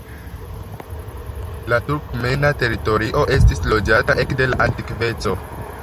La turkmena teritorio estis loĝata ekde la antikveco.